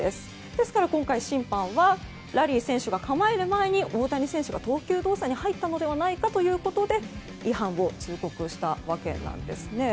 ですから今回、審判はラリー選手が構える前に大谷選手が投球動作に入ったのではないかということで違反を通告したわけなんですね。